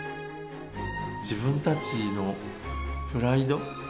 自分たちのプライド。